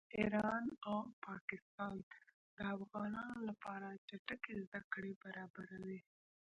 ایران او پاکستان د افغانانو لپاره چټکې زده کړې برابروي